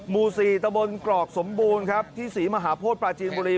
หมู่๔ตะบนกรอกสมบูรณ์ครับที่ศรีมหาโพธิปลาจีนบุรี